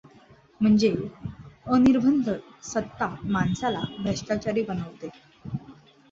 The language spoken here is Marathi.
म्हणजे अनिर्बंध सत्ता माणसाला भ्रष्टाचारी बनवते.